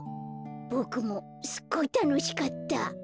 ボクもすっごいたのしかった。